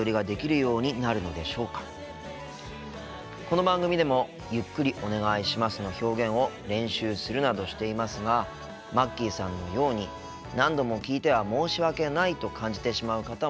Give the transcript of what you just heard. この番組でも「ゆっくりお願いします」の表現を練習するなどしていますがまっきーさんのように何度も聞いては申し訳ないと感じてしまう方もいらっしゃいますよね。